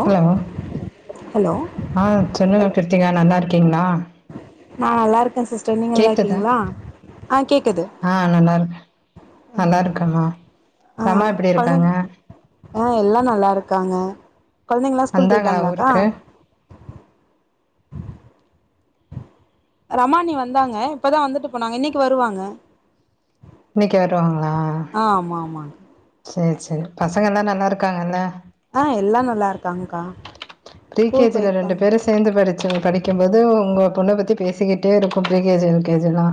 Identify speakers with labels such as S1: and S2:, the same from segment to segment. S1: Hello
S2: hello
S1: ஆ சென்னுங்க கிருத்திகா நல்லா இருக்கீங்களா
S2: நா நல்லா இருக்கே சிஸ்டர் நீங்க நல்லா
S1: கேக்குதா
S2: இருக்கீங்களா ஆ கேக்குது
S1: ஆ நல்லா இருக்கே நல்லா இருக்காம்மா
S2: ஆ
S1: ரமா எப்பிடி இருக்காங்க
S2: கொழந்தைங்க ஆ எல்லா நல்லா இருக்காங்க கொழந்தெங்க எல்லா ஸ்கூல்
S1: வந்தாங்களா
S2: போய்ட்டாங்களாகா
S1: ஊருக்கு
S2: ரமா அண்ணி வந்தாங்க இப்பதா வந்துட்டு போனாங்க இன்னெக்கி வருவாங்க
S1: இன்னெக்கி வருவாங்களா
S2: அ ஆமா ஆமா
S1: சேர் சேரி பசங்க எல்லா நல்லா இருக்காங்கல
S2: ஆ எல்லா நல்லா இருக்காங்கா
S1: ப்ரீ கே ஜி ல ரெண்டு பேரு ஸ் சேந்து படிச்சு படிக்கும்போது உங்க பொண்ண பத்தி பேசிக்கிட்டே இருக்கு pre K G L K G எல்லா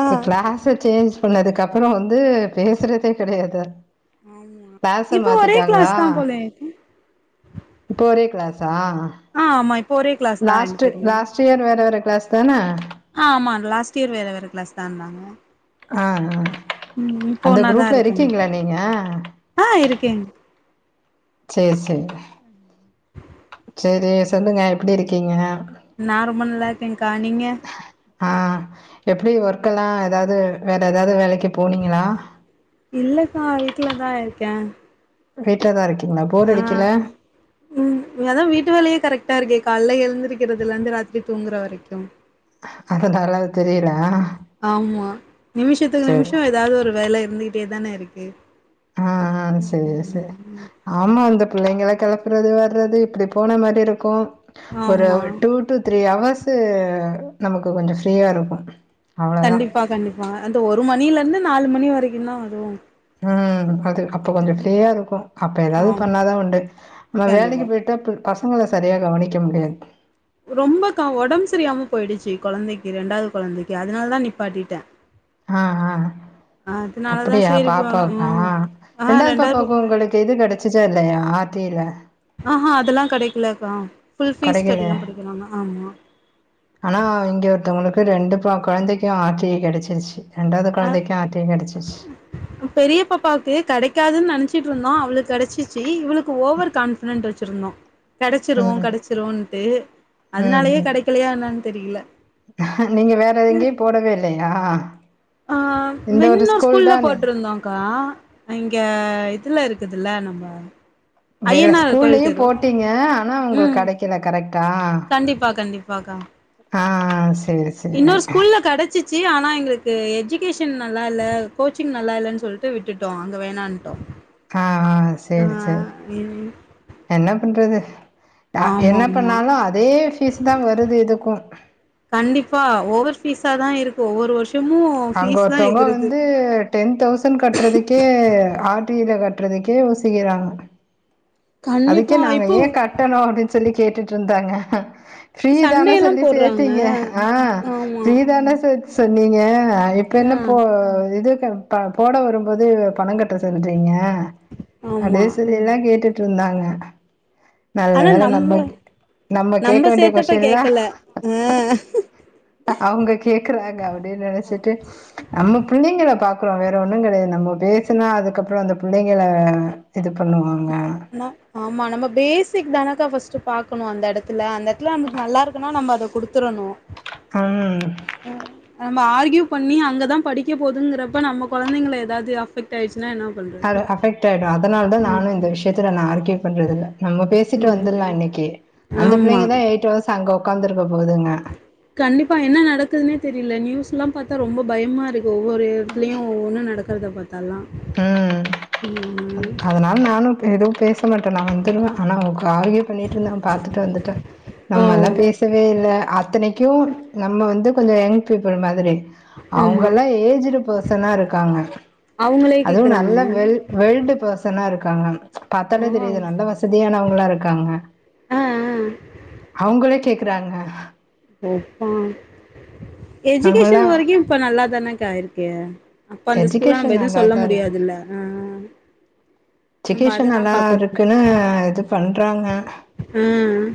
S2: ஆ
S1: இப்ப க்ளாஸ சேஞ்ச் பண்ணதுக்கு அப்பறோ வந்து பேசுறதே கெடயாது அது
S2: ஆமா
S1: க்ளாச
S2: இப்ப ஒரே
S1: மாத்திட்டாங்களா
S2: கிளாஸ் தா போல இருக்கு
S1: இப்ப ஒரே க்ளாஸ் தா
S2: அ ஆமா இ
S1: லாஸ்ட்டு லாஸ்ட் இயர் வேற வேற க்ளாஸ் தான
S2: அ ஆமா லாஸ்ட் இயர் வேற வேற க்ளாஸ் தா இருந்தாங்க
S1: அ அ
S2: ம் இப்போ
S1: அந்த
S2: ஒன்னாதா
S1: க்ரூப்ல
S2: இருக்காங்க
S1: இருக்கீங்ளா நீங்க
S2: ஆ இருக்கேங்
S1: சேர் சேரி சேரி சொல்லுங்க எப்பிடி இருக்கீங்க
S2: நா ரொம்ப நல்லா இருக்கேங்கா நீங்க
S1: ஆ எப்டி ஒர்க் எல்லா ஏதாது வேற ஏதாது வேலைக்கு போனீங்களா
S2: இல்லக்கா வீட்ல தா இருக்கேன்
S1: வீட்லதா இருக்கீங்களா போர் அடிக்கல
S2: உம் அதா வீட்டு வேலயே கரெக்டா இருக்கே காால்ல எந்திருக்கறதுல இருந்து ராத்திரி தூங்கற வரைக்கும்
S1: அதனால அது தெரியல
S2: ஆமா நிமிஷத்துக்கு
S1: சேரி
S2: நிமிஷ ஏதாவது ஒரு வேல இருந்துகிட்டே தானே இருக்கு
S1: ஆ சரி சரி ஆமா அந்த பிள்ளைங்கள களப்புறது வர்றது இப்டி போன மாரி இருக்கு ஒரு
S2: ஆமா
S1: டூ ட்டு த்ரீ ஹர்ஸ் நமக்கு கொஞ்ச ஃப்ரீயா இருக்கு அவ்ளோதா
S2: கண்டிப்பா கண்டிப்பா அது ஒரு மணிலந்து நாலு மணி வரைக்கு தா அதுவு
S1: ம் அது அப்போ கொஞ்ச ஃப்ரீயா இருக்கு அப்ப ஏதாவது
S2: ஆம்
S1: பண்ணாதா உண்டு நம்ம
S2: கண்டிப்பா
S1: வேலைக்கு போயிட்டா பசங்கள சரியா கவனிக்க முடியாது
S2: ரொம்பக்கா ஒடம்ப சரியாம போயிடுச்சு கொழந்தைக்கு ரெண்டாவது கொழந்தைக்கு அதனால தா நிப்பாட்டிட்டே
S1: ஆ ஆ
S2: அதனாலதா
S1: அப்டியா
S2: சரி இப்ப ஆ
S1: பாப்பாவுக்கா
S2: ஆ
S1: ரெண்டாவது பாப்பாவுக்கு
S2: பாப்பா
S1: உங்களுக்கு இது கடச்சுசா இல்லயா ஆர்ட்டில
S2: ஆ ஹா அதல்லா கடைக்கலக்கா புல் பீஸ் கட்டி
S1: கெடைக்கலையா?
S2: தா படிக்கறாங்க ஆமா
S1: ஆனா இங்க ஒருத்தவங்களுக்கு ரெண்டு ப கொழந்தைக்கு ஆர்டிவி கடச்சிருச்சு ரெண்டாவது
S2: அ
S1: கொழந்தைக்கு ஆர்ட்டியே கடடுச்சு
S2: பெரிய பாப்பாவுக்கு கடைக்காதுன்னு நனச்சிட்டுருந்தோ அவளுக்கு கடச்சிச்சு இவளுக்கு ஓவர் கான்பிடன்ட் வச்சிருந்தோ கடச்சிரு
S1: ம்,
S2: கடச்சிருன்டு
S1: ம்,
S2: அதனாலேயே
S1: ம்.
S2: கடக்க இல்லயா என்னான்னு தெரில
S1: நீங்க வேற எங்கயு போடவே இல்லயா
S2: ஆ வின்னர் ஸ்கூல்ல போட்ருந்தோன்கா இங்க இதுல இருக்குதுல்ல நம்ம
S1: வேற
S2: ஐயனார் கோயில்
S1: ஸ்கூல்லயு
S2: தெரு
S1: போட்டீங்க ஆனா
S2: ம்
S1: உங்களுக்கு கடைக்கல கரெக்டா
S2: கண்டிப்பா கண்டிப்பாக்கா
S1: ஆ சரி
S2: இன்னொரு ஸ்கூல்ல கடச்சிட்டு சு ஆனா எங்களுக்கு எஜுகேஷன் நல்லா இல்ல கோச்சிங் நல்லா இல்லன்னு சொல்ட்டு விட்டுட்டோ அங்க வேணாட்டோ
S1: ஆ
S2: ஆ
S1: சேரி சேரி என்ன பண்றது
S2: ஆமா
S1: என்ன
S2: ஆமா
S1: பண்ணாலு அதே பீஸ் தா வருது இதுக்கு
S2: கண்டிப்பா ஓவர் பீஸா தா இருக்கு ஒவ்வொரு வருஷமு
S1: அங்க
S2: ஃபீஸ் தா
S1: ஒருத்தவங்க
S2: எகுறுது
S1: வந்து டென் தௌசண்ட் கட்டறதுக்கே ஆர்டிவில கட்டுறதுக்கே ஒசிக்கறாங்க அதுக்கே
S2: கண்டிப்பா
S1: நாங்க
S2: இப்போ
S1: ஏன் கட்டணு அப்டின்னு சொல்லி கேட்டு இருந்தாங்க ஃப்ரீ தானே
S2: சண்டே எல்லா
S1: சொல்லி
S2: போட்றாங்க
S1: சேத்தீங்க ஆ
S2: ஆமா
S1: ஃப்ரீ தானே சேத் சர் நீங்க இப்ப
S2: ஆ
S1: என்ன போ இது போட வரும்போது பணம் கட்ட சொல்றீங்க
S2: ஆமா
S1: தேசேது எல்லா கேட்டு ருந்தாங்க நல்ல வேள நம்ம நம்ம கேட்க வேண்டிய கொஸ்டின்ல்லா
S2: ம்
S1: அவங்க கேக்கறாங்க அப்டின்னு நெனச்சிட்டு நம்ம புள்ளைங்கள பாக்கறோ வேற ஒண்ணு கடையது நம்ம பேசுனா அதுக்கப்புற அந்த புள்ளைங்கள இது பண்ணுவாங்க
S2: ஆமா நம்ம பேசிக் தானக்கா ஃபர்ஸ்ட் பாக்கணு அந்த எடத்துல அந்த இந்த எடத்துல நமக்கு நல்லா இருக்குனா நம்ம அத குடுத்தடணு
S1: ம்
S2: ம் நம்ப ஆர்கியூ பண்ணி அங்கதா படிக்க போதுங்குறப்ப நம்ம கொழந்தைங்களா எதாவ்து அஃபெக்ட் டாய்ச்சுனா என்ன பண்றது
S1: அது அஃபெக்ட் ஆய்டு அதனால தா நானு இந்த
S2: ஆமா
S1: விஷ்யத்துல நா ஆர்கியூ பண்றதுல்ல நம்ம பேசிட்டு வந்துல்லா
S2: ஆமா
S1: இன்னிக்கி அந்த
S2: ஆமா
S1: பிள்ளைங்க தா எய்ட் அவர்ஸ் அங்க ஒக்காந்துருக்க போதுங்க
S2: கண்டிப்பா என்ன நடக்குதுனே தெரில நியூஸ்லா பாத்தா ரொம்ப பயமாருக்கு ஒவ்வொரு எடத்லயு ஒவ்வொன்னு நடக்குறத பாத்தால்லா
S1: ம் அதனால நானு பே எதுவு பேச மாட்ட நா வந்துருவ ஆனா அவகு ஆர்கியு பண்ணிட்ருந்தாங் பாத்துட்டு வந்துட்ட
S2: ஓ
S1: நம்மல்லா பேசவே இல்ல அத்தனைக் க்யூ நம்ம வந்து கொஞ்சோ யங் பீப்புள் மாதிரி
S2: ஆமா
S1: அவங்கல்லா ஏஜ்டு பார்சனாருக்காங்க
S2: அவங்களே
S1: அதுவு நல்ல
S2: கேக்குறாங்க
S1: வெல் வெல்டு பார்சனாருக்காங்க
S2: ஓ
S1: பாத்தாலே தெரிது நல்லா வசதியானவ்ங்ளா இருக்காங்க
S2: ஆ ஆ
S1: அவுங்களே கேக்குறாங்க
S2: வெப்பாங்
S1: நம்மல்லா
S2: எஜுகேஷன் வரைக்கு இப்ப நல்லாதானங்கா இருக்கே அப்ப அந்த ஸ்கூல்ல நம்ப
S1: எஜுகேஷன்
S2: எதுவு சொல்ல
S1: நல்லாதா இருக்கு
S2: முடியாதுல்ல ஆ ஆ
S1: ஜுகேஷன் நல்லாருக்குனு இது பண்றாங்க
S2: ம்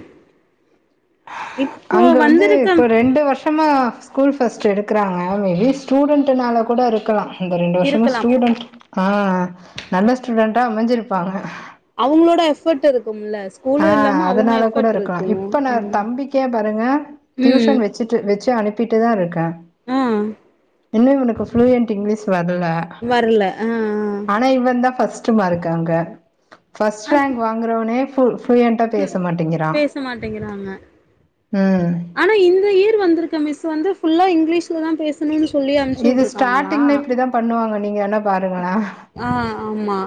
S1: அங்க வந்து
S2: வந்திருக்க
S1: இப்ப ரெண்டு வர்ஷமா ஸ்கூல் ஃபர்ஸ்ட்டு எடுக்குறாங்க மேபி ஸ்டூடண்ட்டுனால கூட இருக்கலா இந்த ரெண்டு வருஷ்ஷமா
S2: இருக்கலா
S1: ஸ்டூடண்ட் ஆ நல்ல ஸ்டூடண்ட்டா அமஞ்சிருப்பாங்க
S2: அவுங்ளோட எஃபோர்ட் இருக்கும்ல ஸ்கூ
S1: ஆஹ அதனால கூடருக்கலா இப்ப நா தம்பிக்கே பாருங்க
S2: ம்
S1: ட்யூஷன் வெச் சுட்டு வெச்சு அனுப்பிட்டுதாருக்கே
S2: ஆ
S1: இன்னு இவனுக்கு ஃப்ளூயண்ட் இங்லீஸ் வரல
S2: வரல ஆ ஆ
S1: ஆனா இவன் தா ஃபர்ஸ்ட்டு மார்க்கு அங்க ஃபர்ஸ்ட் ரேங்க் வாங்குறவ்னே ஃபுல் ஃப்ளூயன்ட்டா பேச மாட்டிங்கிறான்
S2: பேச மாட்டேங்கிறாங்க
S1: ம்
S2: ஆனா இந்த இயர் வந்துருக்க மிஸ் வந்து ஃபுல்லா இங்லீஷ் லதா பேசணுன் சொல்லி அம்ச்சு
S1: இது
S2: உட்ருக்காங்களா
S1: ஸ்டார்ட்டிங்ல இப்படிதான் பண்ணுவாங்க நீங்க வேன்னா பாருங்களா
S2: ஆ ஆம்மா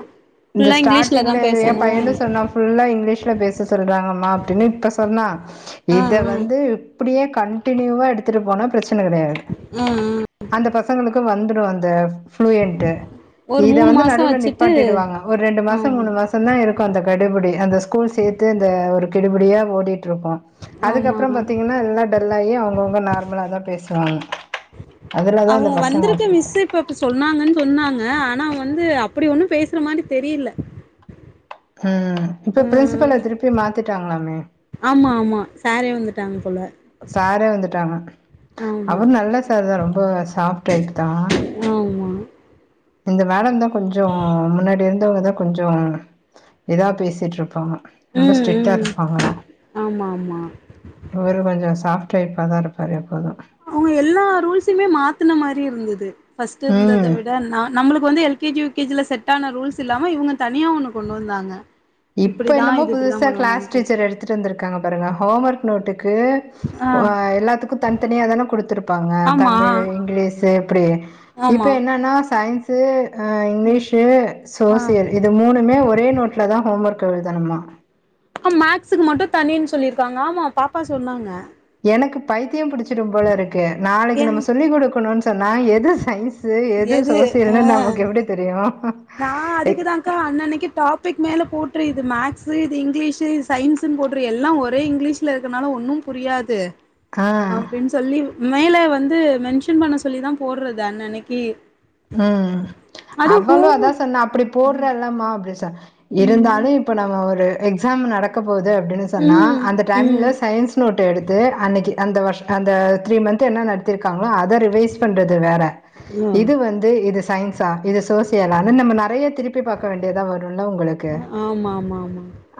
S1: இந்த ஸ்டார்டிங்ல ஏ பையனு சொன்னா ஃபுல்லா இங்லிஷ்ல பேச சொல்றாங்கம்மா அப்டின்னு இப்ப சொன்னா
S2: ஆ
S1: இத
S2: ஆ
S1: வந்து இப்புடியே கன்டிநியூவா எடுத்துட்டு போனா ப்ரச்சன கடையாத்
S2: ம் ம்
S1: அந்த பசங்களுக்கு வந்துடும் அந்த ஃபுளுயண்ட்டு
S2: ஒரு
S1: இத
S2: மூணு
S1: வந்து
S2: மாசோ
S1: நடுவுல
S2: வச்சுட்டு
S1: நிப்பாட்டிடுவாங்க ஒர் ரெண்டு மாசோ
S2: ஆமா
S1: மூணு மாசோ ட்டுந்தா இருக்கும் அந்த கடுபுடி அந்த ஸ்கூல் சேத்து இந்த ஒரு கெடுபுடியா ஓடிட்ருக்கும்
S2: ஆமா
S1: அதுக்கப்றோ பாத்திங்கன்னா எல்லா டல்லாயி அவுங்கவுங்க நார்மலா தா பேசுவாங்க அதுலதா இந்த
S2: அவுங்க
S1: பசங்க
S2: வந்ருக்க
S1: அஃபெக்ட்
S2: மிஸ் இப்பப் இப்ப சொன்னாங்கன் சொன்னாங்க ஆனா வந்து அப்புடி ஒன்னு பேசுற மாரி தெரியில
S1: ம் ம் இப்ப ப்ரின்சுபல திருப்பி மாத்திட்டாங்ளாமே
S2: ஆமா ஆமா சாரே வந்துட்டாங்க போல
S1: சாரே வந்துட்டாங்க
S2: ஆமா
S1: அவுர் நல்ல சார் தா ரொம்போ சாஃப்ட் டைப் தா
S2: ஆம்மா
S1: இந்த மேடம் தா கொஞ்சோ முன்னாடி இருந்தவுங்க தா கொஞ்சோ எதயாத் பேசிட்ருப்பாங்களா ரொம்ப
S2: ம் ம்
S1: ஸ்ட்ரிக்டாருப்பாங்களா
S2: ஆமா ஆமா
S1: இவரு கொஞ்சோ சாஃப்ட் டைப்பா தா இருப்பாரு எப்போது
S2: அவங்க எல்லா ரூல்ஸ்சுமே மாத்தின மாரி இருந்தது பர்ஸ்ட்டு இருந்தத
S1: ம்
S2: விட நா நம்மளுக்கு வந்து L K G U K G ல செட் ஆன ரூல்ஸ் இல்லாம இவங்க தனியா ஒண்ணு கொண்டு வந்தாங்க
S1: இப்ப
S2: இப்படிதா
S1: என்னமோ
S2: இது இப்படிதா
S1: புதுச கிளாஸ்
S2: பண்ணணுன்ட்டு
S1: டீச்சர் எடுத்துட்டுருந்திருக்காங்க பாருங்க ஹோம் ஒர்க் நோட்டுக்கு ஆ எல்லாத்துக்கு தன்த்தனியாதானே
S2: ஆமா
S1: தமிழ் இங்கிலிஷ்சு இப்படி இப்ப
S2: ஆமா
S1: என்னன்னா சயின்ஸ் து ஆ இங்கிலீஷு
S2: ஆ
S1: சோசியல் இது மூனுமே ஒரே நோட்ல தா ஹோம் ஒர்க் எழுதணுமா
S2: அ மேக்ஸ்க்கு மட்டு தனின் சொல்லியிருக்காங்க ஆமா பாப்பா சொன்னாங்க
S1: எனக்கு பைத்தியோ புடிச்சிடும் போல இருக்கு
S2: ஏ
S1: நாளைக்கு நம்ம சொல்லி கொடுக்கணுன் சொன்னா எது சைஸ் சு எது சோசியல்ன்னு நமக்கு எப்படி தெரியு
S2: நா அதுக்கு தாங்க்கா அன்னைக்கு அன்னனைக்கு டாபிக் மேல போட்டுரு இது மேக்ஸு இது இங்கிலீஷு சயின்ஸுன் போட்ரு எல்லா ஒரே இங்கிலீஷில இருக்கனால ஒன்னும் புரியாது
S1: ஆ
S2: அப்டின் சொல்லி மேல வந்து மென்ஷன் பண்ண சொல்லிதா போற்றது அன்னன்னைக்கி
S1: ம் அவளு அதா சொன்னா அப்டி போற்றல்லல்லம்மா அப்டி சொன்
S2: ம்
S1: இருந்தாலு இப்ப நம்ம ஒரு எக்ஸாம்ன் நடக் க்க போது அப்டின்னு சொன்னா
S2: ம்
S1: அந்த ட்ரன்ல
S2: ம்
S1: சயின்ஸ் நோட்டு் எடுத்து அன்னைக்கு அந்த வருஷ் அந்த த்ரீ மந்த்து என்ன நடத்திருக்காங்களோ அத ரிவைஸ் பண்றது வேற இது வந் து இது சயின்ஸா இது சோசியலான்னு நம்ம நெறைய திருப்பி பாக்க வேண்டியதா வருல்ல உங்களுக்கு
S2: மா மா மா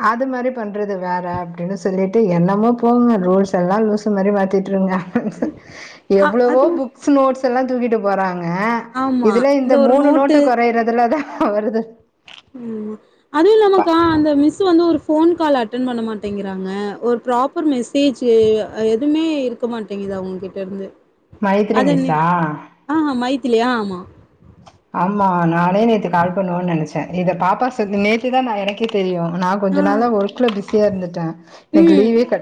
S1: அது மாரி பண்றது வேற அப்டின்னு சொல்லிட்டு என்னமோ போங்க ரூல்ஸ் எல்லா லூசு மாரி மாத்திட்டுருங்க
S2: ஆ
S1: எவ்ளோவோ
S2: அதுவு
S1: புக்ஸ் நோட்ஸ் எல்லா தூக்கிட்டு போறாங்க இதுல இந்த மூனு நோட்டு குறையறதுல தா வருது
S2: ம்மா அது இல்லாமக்கா அந்த மிஸ்சு வந்து ஒரு ஃபோன் கால் அட்டென் பண்ண மாட்டேங்கிறாங்க ஒரு ப்ராப்பர் மெசேஜ்ஜு எதும்மே க்க மாட்டிங்குதா அவுங்க கிட்ட இருந்து
S1: மைதிலி
S2: அது என்ன
S1: மிஸ்ஸா
S2: ஆ மைத்திலி ஆ ஆமா
S1: ஆமா நானே நேத்து கால் பண்ணுன் நெனச்சே இத பாப்பா சொ நேத்து தா நா எனக்கே தெரியு நா
S2: ஆ
S1: கொஞ்ச நாளா ஒர்க்குல பிஸியா இருந்துட்டே எனக்கு
S2: ம்
S1: லீவே கெ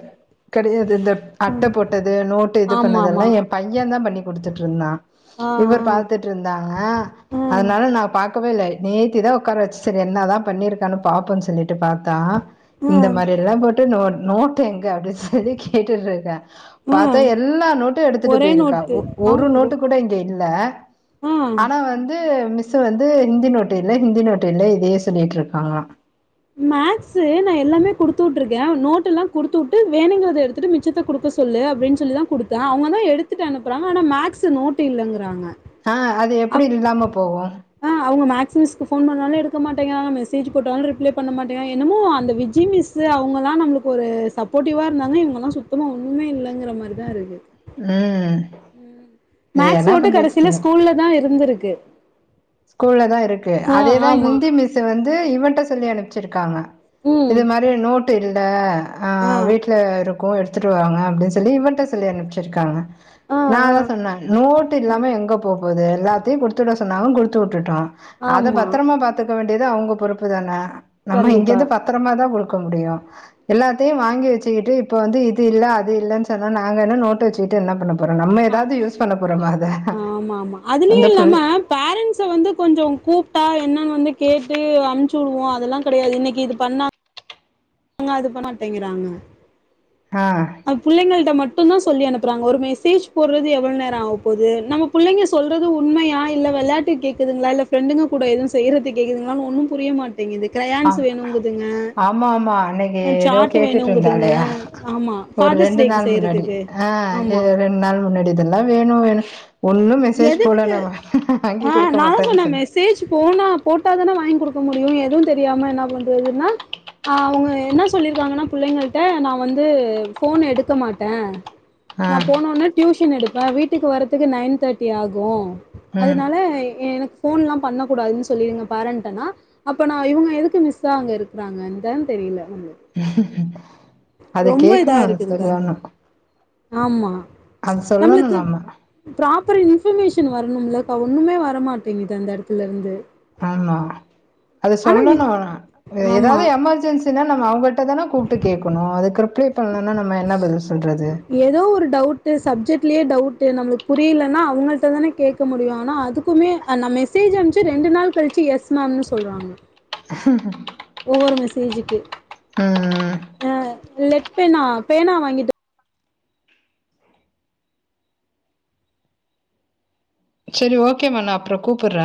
S1: கெடையாதுல்ல அட்ட போட்டது நோட்டு இது
S2: ஆமா ஆமா
S1: பண்ணதெல்லா எ பைய தா பண்ணி குடுத்துட்ருந்தா
S2: ஆ
S1: இவர் பாத்தட் இருந்தாங்க
S2: ஆ ம்
S1: அதனால நா பாக்கவே இல்ல நேத்திதா ஒக்கார வச்சு சரி என்ன தா பண்ணிருக்கான்னு பாப்போன் சொல்லிட் டு பாத்தா இந்த
S2: ம்
S1: மாரி எல்லா பொட்டு நோ போட்டு நோட்டு எங்க அப்டின் சொல்லி கேட்டுட்ருக்கே பாத்தா
S2: ம்
S1: எல்லா நோட்டு எடுத்துட்டு
S2: ஒரே
S1: போயிருக்கா
S2: நோட்டு
S1: ஒ ஒரு
S2: ஆமா
S1: நோட்டு கூட இங்க இல்ல
S2: ஆ
S1: ஆனா வந்து மிஸ்ஸு வந்து ஹிந்தி நோட்டு இல்ல ஹிந்தி நோட்டு இல்ல இதையே சொல்லிட்ருக்காங்கலா
S2: மேக்ஸு நா எல்லாமே கொடுத்து உற்றுக்கே நோட்ட எல்லா குடுத்து உட்டு வேணுங்கறத எடுத் துட்டு மிச்சத்த குடுக்க சொல்லு அப்டின் சொல்லி தா குடுத்தே அவங்க தா எடுத்துட்டு அனுப்புறாங்க ஆனா மேக்ஸ்ஸு நோட்டு் இல்லங்கிறாங்க
S1: ஆ அது எப்டி இல்லாம போகு
S2: ஆ அவ்ங்க மேக்ஸ் மிஸ்க்கு போன் பண்ணாலே எடுக்க மாட்டேங்கிறாங்க மெசேஜ் போட்டால் ரிப்ளே பண்ண மாட்டிறா என்னமோ அந்த விஜி மிஸ்சு அவுங்கல்லா நம்மளுக்கு ஒரு சப்போர்டிவா இருந்தாங்க இவங்கலா சுத் தமா ஒன்னுமே இல்லங்கிற மாரி தா இருக்கு
S1: ம் இது
S2: மேக்ஸ்
S1: என்னா
S2: நோட்டு
S1: பண்றது
S2: கடசியில
S1: சொல்லு
S2: ஸ்கூல்ல தா இருந்திருக்கு
S1: ஸ்கூல்ல தா இருக்கு
S2: ஆ
S1: அதேதா
S2: ஆமா.
S1: ஹிந்தி மிஸ்ஸு வந்து இவன்ட சொல்லி அனுப்ச்சிருக்காங்க
S2: ம்.
S1: இது மாரி நோட்டு இல்ல அ
S2: ஆ.
S1: வீட்ல இருக்கு எ ட்த்துட்டுவாங்க அப்டின் சொல்லி இவன்ட்ட சொல்லி அனுப்ச்சிருக்காங்க
S2: ஆ
S1: நா
S2: ஆ.
S1: அதா சொன்ன நோட்டு இல்லாம எங்க போ போது எல்லாத்தையு குடுத்துட சொன்னாங்க குடுத் துட்டுட்டோ அத
S2: ஆமா.
S1: பத்திரமா பாத்துக்க வேண்டியது அவங்க பொறுப்பு தான நம்ம
S2: கண்டிப்பா.
S1: இங்கேந்து பத் பத்துரமா தா குடுக்க முடியு எல்லாத்தையு வாங்கி வச்சுக்கிட்டு இப்போ வந்து இது இல்ல அது இல்லன் சொன்னா நாங்க என்ன நோட்டு வச்சுக்கிட்டு என்ன பண்ணப் போறோ நம்ம ஏதாது யூஸ் பண்ண போறோமா அத
S2: ஆமாமா அதுலயு இல்லாம
S1: கேக்
S2: மிஸ்ஸு வந்து கொஞ்சோ கூப்ட்டா என்னன் வந்து கேட்டு அமுச்சு விடுவோ அதெல்லா கெடையாது இன்னைக்கி இது பண்ணா அவங்க அது பண்ண மாட்டேங்கிறாங்க
S1: ஆ
S2: அது புள்ளைங்கள்ட்ட மட்டு தா சொல்லி அனுப்புறாங்க ஒரு மெசேஜ் போடுறது எவ்ள நேரோ ஆக போது நமக் புள்ளைங்க சொல்றது உண்மையா இல்ல வெளாட்டுக் கேக்குதுங்ளா இல்ல ப்ரெண்டுங்க கூட எதுவு செய்றதுக் கேக்குதுங்களான் ஒன்னு புரிய மாட் டேங்குது
S1: ஆ
S2: க்ரையான்ஸ் வேணுங்குதுங்க
S1: ஆமா ஆமா அன்னைக்கு ஏதோ
S2: சாட்டு
S1: கேட்டுட்டு
S2: வேணுங்குதுங்க
S1: இருந்தாலயா
S2: ஆமா
S1: ஒரு
S2: ஃபாதர்ஸ் டேக்கு செய்றதுக்கு ஆமா
S1: ரெண்ட் நாள் முன்னாடி இதெல்லா வேணு வேணு ஒன்னு மெசேஜ் போல
S2: எதுக்கு
S1: நா வாங்கி
S2: ஆ
S1: குடுக்க
S2: நான்தா
S1: மாட்டன்
S2: சொன்னே
S1: சொன்ன
S2: மெசேஜ் போனா போட்டாதான வாங்கி குடுக்க முடியு எது தெரியாம என்ன பண்றதுன்னா ஆ அவங்க என்ன சொல்லிருக்காங்கன்னா புள்ளைங்கள்ட நா வந்து ஃபோன் எடுக்க மாட்ட
S1: ஆ
S2: நா போனோன டியூஷன் எடுப்ப வீட்டுக்கு வரதுக்கு நைன் தேட்டி ஆகு
S1: ம்
S2: அதனால எனக்கு ஃபோன்லா பண்ண கூடாதுன் சொல்லிருங்க பேரண்டனா அப்ப நா இவங்க எதுக்கு மிஸ்சா அங்க இருக்கிறாங்கன்ந்தா தெரில நம்ளுக்
S1: அத
S2: இதா
S1: கேக்கணு
S2: இருக்குதுக்கா
S1: சரிதான
S2: அது ஆமா
S1: சொல்லணு
S2: நம்ளுக்கு
S1: நம்ம
S2: ப்ராப்பர் இன்பர்மேஷன் வரணும்லக்கா ஒண்ணுமே வரமாட்டேங்குது அந்த எடத்துல இருந்து
S1: ஆமா அது
S2: ஆனா வி
S1: சொல்லனு
S2: ஆமா
S1: ஏதாவது எமர்ஜென்சின்னா நம்ம அவங்கட் ட தான கூப்டு கேகணு அதுக்கு ரிப்ளை பண்லனா நம்ம என்ன பதில் சொல்றது
S2: ஏதோ ஒரு டவுட்டு சப்ஜெக்ட்லே டவுட்டு நம்ளுக்கு புரியலன்னா அவங்கள்ட தான கேக் க முடியு ஆனா அதுக்குமே நா மெசேஜ் அம்ச்சு ரெண்டு நாள் கழிச்சு எஸ் மம்னு சொல்றாங்க
S1: [inaudible]
S2: ஒவ்வொரு மெசேஜுக்கு
S1: அ அ
S2: அ லெட் பேனா பேனா வாங்கிட்டு
S1: சரி ஓகேம்மா நா அப்றோ கூப்புற